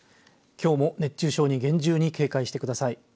きょうも熱中症に厳重に警戒してください。